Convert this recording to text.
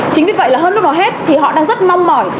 chính vì vậy là hơn lúc nào hết thì họ đang rất mong mỏi